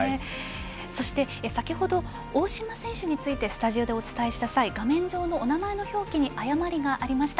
そして先ほど大島選手についてスタジオでお伝えした際画面上のお名前の表記に誤りがありました。